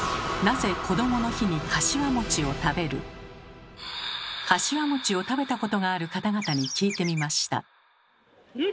かしわを食べたことがある方々に聞いてみました。